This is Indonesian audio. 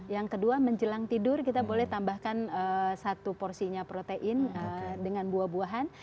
yang kedua menjelang tidur kita boleh tambahkan satu porsinya protein dengan buah buahan